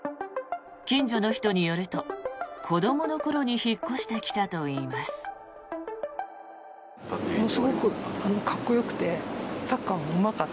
近所の人によると、子どもの頃に引っ越してきたといいます。